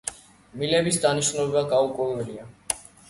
მილების დანიშნულება გაურკვეველია.